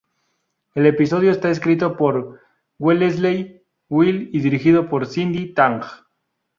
El episodio está escrito por Wellesley Wild y dirigido por Cyndi Tang.